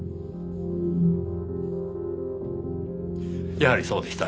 やはりそうでした。